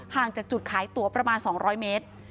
จากจุดขายตัวประมาณ๒๐๐เมตร